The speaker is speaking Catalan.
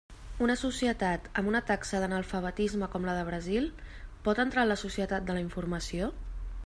Una societat amb una taxa d'analfabetisme com la del Brasil, ¿pot entrar en la societat de la informació?